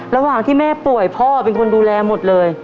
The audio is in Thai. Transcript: ระหว่างที่แม่ป่วยพ่อเป็นคนดูแลหมดเลย